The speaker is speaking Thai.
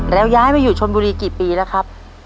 แล้วย้ายมาอยู่ชนบุรีกี่ปีแล้วครับ